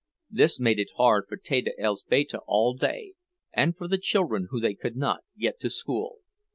This made it hard for Teta Elzbieta all day, and for the children when they could not get to school.